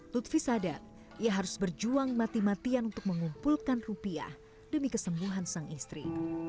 lutfi sadar ia harus berjuang mati matian untuk mengumpulkan rupiah demi kesembuhan sang istri